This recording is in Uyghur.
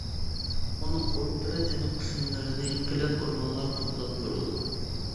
ئۇنىڭ ئوتتۇرا جەنۇب قىسىملىرىنى قېلىن ئورمانلار قاپلاپ تۇرىدۇ.